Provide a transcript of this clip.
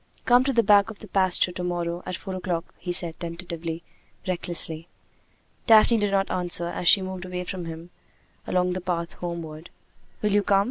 "Come to the back of the pasture to morrow! at four o'clock!" he said, tentatively, recklessly. Daphne did not answer as she moved away from him along the path homeward. "Will you come?"